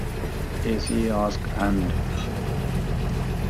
Ace asks, And...?